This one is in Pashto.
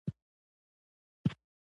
افغانستان په سیلابونه باندې تکیه لري.